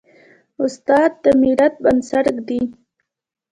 استاد د ملت بنسټ ږدي.